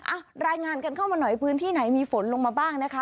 อ่ะรายงานกันเข้ามาหน่อยพื้นที่ไหนมีฝนลงมาบ้างนะคะ